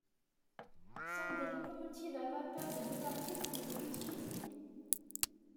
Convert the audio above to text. Seules des locomotives à vapeur de divers types ont été utilisées.